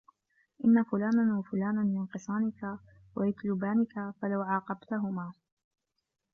إنَّ فُلَانًا وَفُلَانًا يُنْقِصَانِك وَيَثْلُبَانِكَ فَلَوْ عَاقَبْتَهُمَا